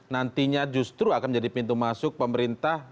nantinya justru akan menjadi pintu masuk pemerintah